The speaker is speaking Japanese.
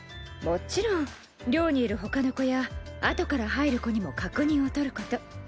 もちろん寮にいるほかの子やあとから入る子にも確認を取ること。